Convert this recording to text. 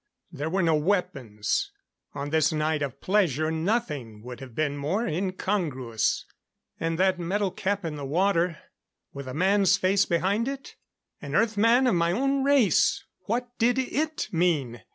There were no weapons. On this night of pleasure nothing would have been more incongruous. And that metal cap in the water with a man's face behind it? An Earth man of my own race! What did it mean?